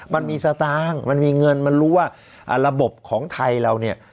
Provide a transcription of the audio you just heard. มันมีสตางค์มันมีเงินมันรู้ว่าระบบของไทยเราเนี่ย